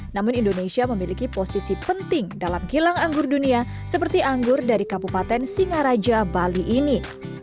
namun indonesia memiliki posisi penting dalam kilang anggur dunia seperti anggur dari kabupaten singaraja bali ini